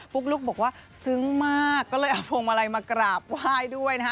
ุ๊กลุ๊กบอกว่าซึ้งมากก็เลยเอาพวงมาลัยมากราบไหว้ด้วยนะฮะ